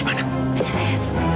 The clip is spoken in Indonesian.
yang sepupu banget